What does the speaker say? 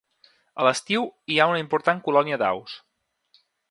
A l'estiu hi ha una important colònia d'aus.